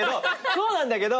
そうなんだけど。